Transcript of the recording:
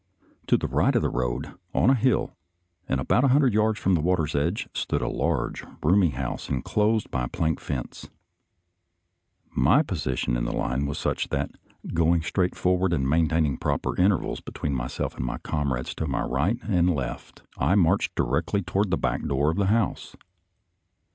To the right of the road, on a hill, and about a hundred yards from the water's edge, stood a large, roomy house inclosed by a plank fence. My position in the line was such that, going 212 SOLDIER'S LETTERS TO CHARMING NELLIE straight forward and maintaining proper inter vals between myself and comrades to my right and left, I marched directly toward the back door of the house.